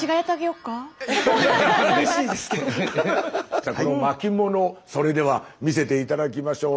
じゃこの巻物それでは見せて頂きましょう。